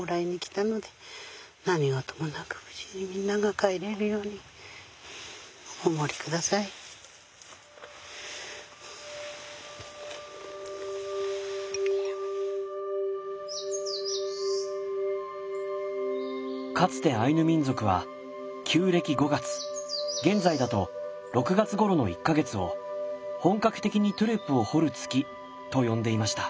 テレビ撮りに来たのでかつてアイヌ民族は旧暦５月現在だと６月ごろの１か月を「本格的にトゥレを掘る月」と呼んでいました。